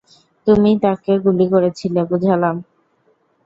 তুমিই তাকে গুলি করেছিলে, বুঝলাম।